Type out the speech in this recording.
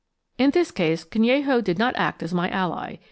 In this case Canello did not act as my ally.